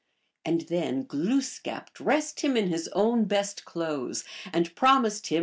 And then Glooskap dressed him in his own best clothes, and promised him.